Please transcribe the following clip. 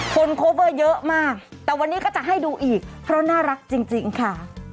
คนโคเวอร์เยอะมากแต่วันนี้ก็จะให้ดูอีกเพราะน่ารักจริงค่ะ